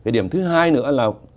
điểm thứ hai nữa là